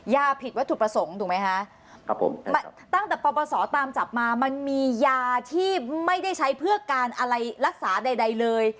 ยาผิดวัตถุประสงค์ถูกไหมคะครับผมตั้งแต่ปปศตามจับมามันมียาที่ไม่ได้ใช้เพื่อการอะไรรักษาใดเลย